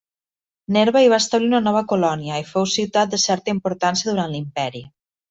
Nerva hi va establir una nova colònia i fou ciutat de certa importància durant l'Imperi.